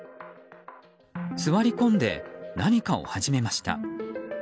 座り込んで、何かを始めました。